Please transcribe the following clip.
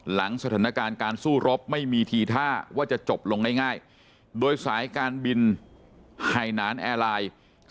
สถานการณ์การสู้รบไม่มีทีท่าว่าจะจบลงได้ง่ายโดยสายการบินไฮนานแอร์ไลน์